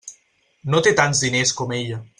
No té tants diners com ella.